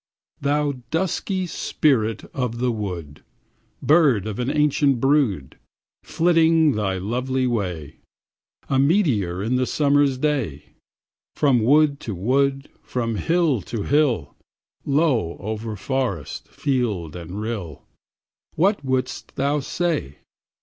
Thou dusky spirit of the wood, Bird of an ancient brood, Flitting thy lonely way, A meteor in the summer's day, From wood to wood, from hill to hill, Low over forest, field, and rill, What wouldst thou say?